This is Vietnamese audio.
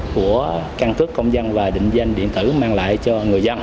của căn cước công dân và định danh điện tử mang lại cho người dân